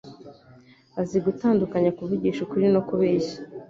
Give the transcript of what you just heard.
azi gutandukanya kuvugisha ukuri no kubeshya